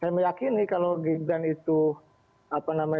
saya meyakini kalau gibran itu apa namanya